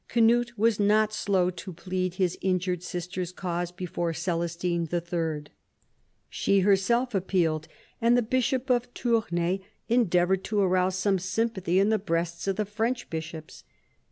Cnut was not slow to plead his injured sister's cause before Oelestine III. She herself appealed, and the bishop of Tournai endeavoured to arouse some sym pathy in the breasts of the French bishops.